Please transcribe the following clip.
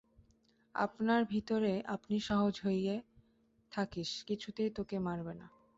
আপনার ভিতরে আপনি সহজ হয়ে থাকিস, কিছুতেই তোকে মারবে না।